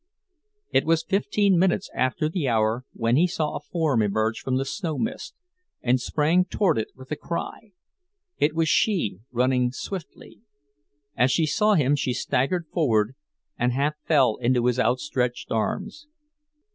It was fifteen minutes after the hour when he saw a form emerge from the snow mist, and sprang toward it with a cry. It was she, running swiftly; as she saw him, she staggered forward, and half fell into his outstretched arms.